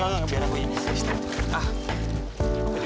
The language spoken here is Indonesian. nggak nggak biar aku ini istri